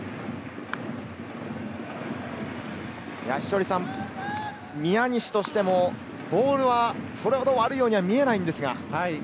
稀哲さん、宮西としても、ボールはそれほど悪いようには見えないんですが。